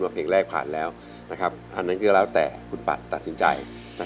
ที่คุณปัชฌ์ตัดสินใจ